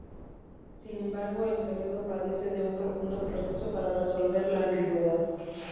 Sin embargo, el cerebro padece de un profundo proceso para resolver la ambigüedad.